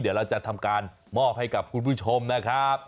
เดี๋ยวเราจะทำการมอบให้กับคุณผู้ชมนะครับ